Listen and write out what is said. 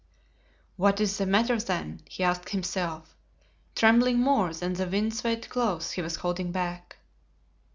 "What is the matter, then?" he asked himself, trembling more than the wind swayed cloth he was holding back.